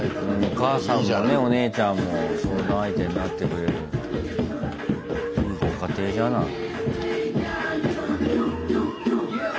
お母さんもねお姉ちゃんも相談相手になってくれるいいご家庭じゃない。